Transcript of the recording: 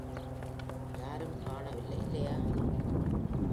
யாரும் காணவில்லை, இல்லையா?